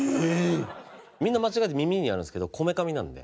みんな間違えて耳にやるんですけどこめかみなので。